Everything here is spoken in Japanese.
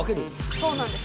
そうなんです。